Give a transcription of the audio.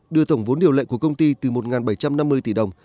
đưa tổng vốn điều lệ của công ty từ một bảy trăm năm mươi tỷ đồng